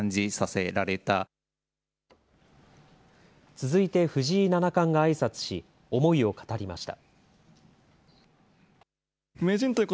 続いて、藤井七冠があいさつし思いを語りました。